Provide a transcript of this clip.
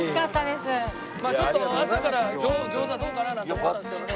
まあちょっと朝から餃子どうかな？なんて思ったんですけどね。